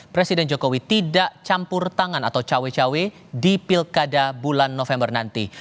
presiden jokowi tidak campur tangan atau cawe cawe di pilkada bulan november nanti